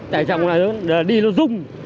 tại trọng là đi nó rung